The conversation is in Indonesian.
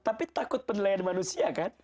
tapi takut penilaian manusia kan